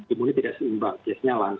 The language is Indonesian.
imunnya tidak seimbang biasanya lansia